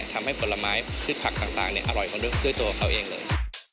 ผลไม้พืชผักต่างอร่อยกว่าด้วยตัวเขาเองเลย